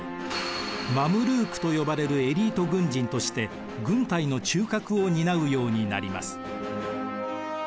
マムルークと呼ばれるエリート軍人として軍隊の中核を担うようになります。